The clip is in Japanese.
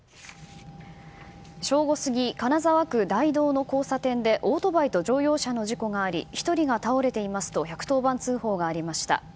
正午過ぎ、金沢区の交差点でオートバイと乗用車の事故があり１人が倒れていますと１１０番通報がありました。